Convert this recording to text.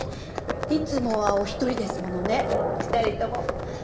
いつもはお一人ですものね２人とも。